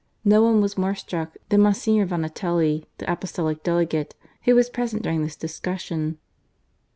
No one was more struck than Mgr. Vanutelli. the Apostolic Delegate, who was present during this discussion.